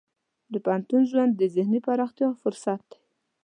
د پوهنتون ژوند د ذهني پراختیا فرصت دی.